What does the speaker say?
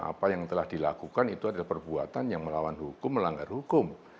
apa yang telah dilakukan itu adalah perbuatan yang melawan hukum melanggar hukum